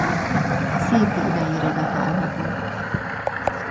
Széthi idejére datálható.